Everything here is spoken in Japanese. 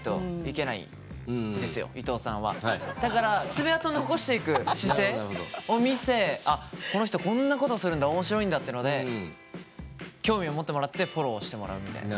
だから爪痕を残していく姿勢を見せこの人こんなことするんだ面白いんだってので興味を持ってもらってフォローしてもらうみたいな。